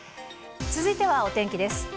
続いてはお天気です。